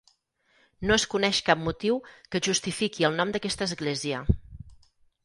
No es coneix cap motiu que justifiqui el nom d'aquesta església.